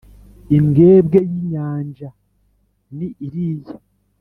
imbwebwe yinyanja ni iriya